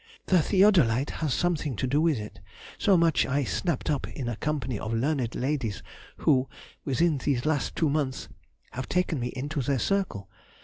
The theodolite has something to do with it; so much I snapt up in a company of learned ladies who, within these last two months, have taken me into their circle.